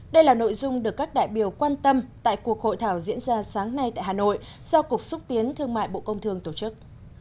đây là nội dung được các đại biểu quan tâm tại cuộc hội thảo diễn ra sáng nay tại hà nội do cục xúc tiến thương mại bộ công thương tổ chức